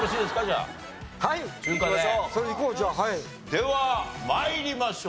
では参りましょう。